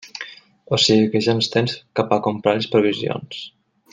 O sigui que ja ens tens cap a comprar les provisions.